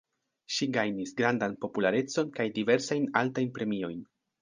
Ŝi gajnis grandan popularecon kaj diversajn altajn premiojn.